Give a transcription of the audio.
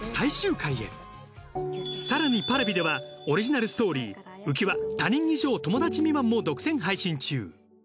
更にＰａｒａｖｉではオリジナルストーリー『うきわ−他人以上友達未満−』も独占配信中。